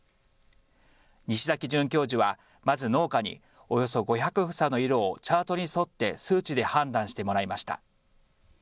西崎准教授は、まず農家におよそ５００房の色をチャートに沿って数値で判断してもらいました。